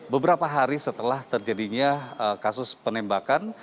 beberapa hari setelah terjadinya kasus penembakan